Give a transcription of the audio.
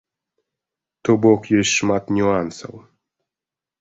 То бок ёсць шмат нюансаў.